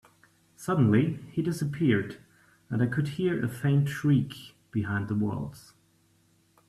Suddenly, he disappeared, and I could hear a faint shriek behind the walls.